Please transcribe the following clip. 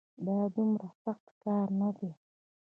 دا دومره سخت کار نه دی